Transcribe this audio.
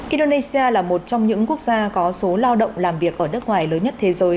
indonesia là một trong những quốc gia có số lao động làm việc ở nước ngoài lớn nhất thế giới